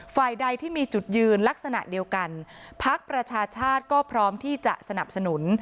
ฝ่ายใดที่มีจุดยืนลักษณะเดียวกันพักประชาชาติก็พร้อมที่จะสนับสนุน